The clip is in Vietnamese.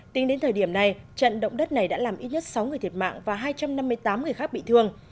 tính đến thời điểm này trận động đất này đã làm ít nhất sáu người thiệt mạng và hai trăm năm mươi tám người khác bị thương